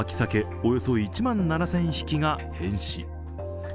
およそ１万７０００匹が変死。